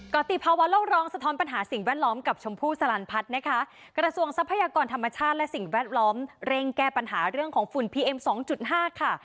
ติภาวะโลกร้องสะท้อนปัญหาสิ่งแวดล้อมกับชมพู่สลันพัฒน์นะคะกระทรวงทรัพยากรธรรมชาติและสิ่งแวดล้อมเร่งแก้ปัญหาเรื่องของฝุ่นพีเอ็มสองจุดห้าค่ะ